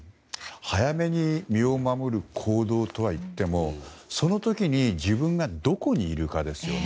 早めに身を守る行動とはいってもその時に自分がどこにいるかですよね。